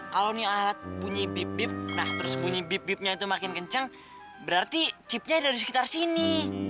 kalau ini alat bunyi bibip nah terus bunyi bip bipnya itu makin kencang berarti chipnya ada di sekitar sini